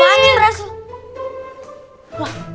apaan ini belasiii